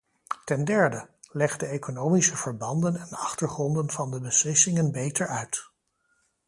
Ten derde: leg de economische verbanden en achtergronden van de beslissingen beter uit.